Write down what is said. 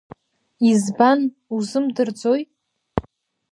Избан узымдырӡои?